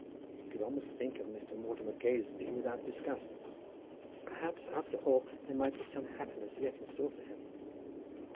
He could almost think of Mr. Mortimer Gazebee without disgust. Perhaps after all there might be some happiness yet in store for him.